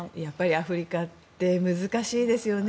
アフリカって難しいですよね。